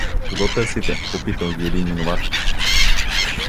— Кого търсите? — попитал ги един минувач.